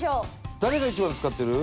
誰が一番使ってる？